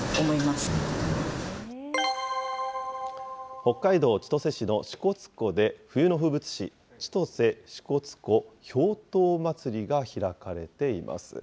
北海道千歳市の支笏湖で、冬の風物詩、千歳・支笏湖氷濤まつりが開かれています。